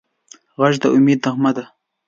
غږ د امید نغمه ده